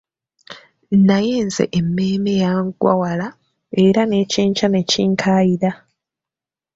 Naye nze emmeeme yangwa wala era n'ekyenkya ne kinkaayira.